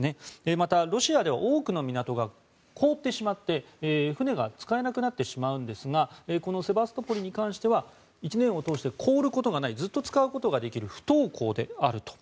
また、ロシアでは多くの港が凍ってしまって船が使えなくなってしまうんですがこのセバストポリに関しては１年を通して凍ることがないずっと使うことができる不凍港であると。